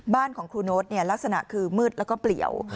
บ้านของครูโน๊ตลักษณะคือมืดแล้วก็เปลี่ยว